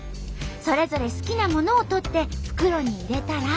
それぞれ好きなものを取って袋に入れたら。